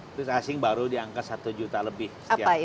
itu asing baru di angka satu juta lebih setiap tahun